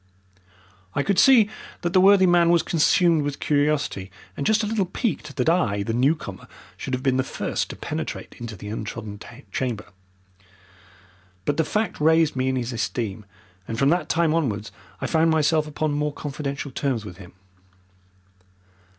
I could see that the worthy man was consumed with curiosity and just a little piqued that I, the newcomer, should have been the first to penetrate into the untrodden chamber. But the fact raised me in his esteem, and from that time onwards I found myself upon more confidential terms with him.